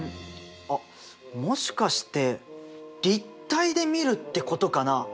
あっもしかして立体で見るってことかな？